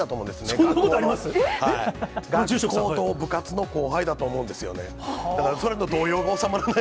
学校と部活の後輩だと思うんですよね。